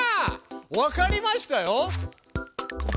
わかりましたよ。